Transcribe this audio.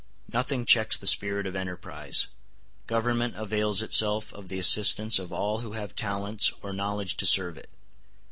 Nothing checks the spirit of enterprise. Government avails itself of the assistance of all who have talents or knowledge to serve it.